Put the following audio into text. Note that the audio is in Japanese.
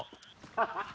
ハハハ！